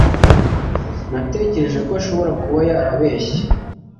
Natekereje ko ashobora kuba yarabeshye.